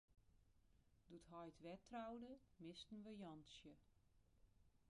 Doe't heit wer troude, misten we Jantsje.